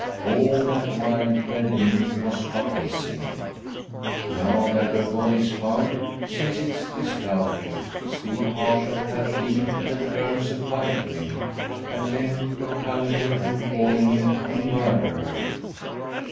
All that while Gwen Wynn was but missing. Now that her body is found, since its discovery, still harsher have been the terms applied to him; at length, to culminate, in calling him a murderer!